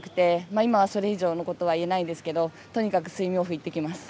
今、それ以上のことは言えないんですけどとにかくスイムオフいってきます。